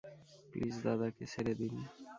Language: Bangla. প্লিজ দাদাকে ছেড়ে দিন।